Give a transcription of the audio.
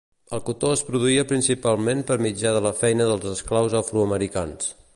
El cotó es produïa principalment per mitjà de la feina dels esclaus afroamericans.